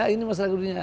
ini masalah dunia